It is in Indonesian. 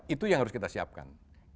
itu yang harus kita siapkan